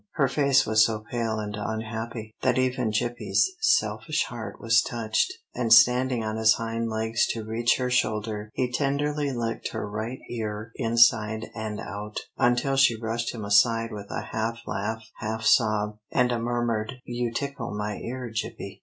Her face was so pale and unhappy, that even Gippie's selfish heart was touched, and standing on his hind legs to reach her shoulder, he tenderly licked her right ear inside and out, until she brushed him aside with a half laugh, half sob, and a murmured, "You tickle my ear, Gippie."